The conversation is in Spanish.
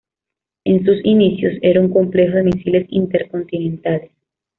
En sus inicios, era un complejo de misiles intercontinentales.